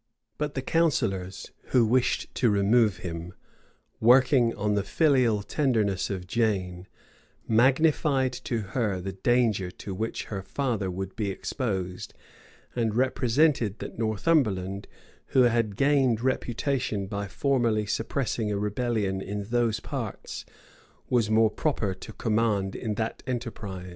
But the counsellors, who wished to remove him,[] working on the filial tenderness of Jane, magnified to her the danger to which her father would be exposed; and represented that Northumberland, who had gained reputation by formerly suppressing a rebellion in those parts, was more proper to command in that enterprise.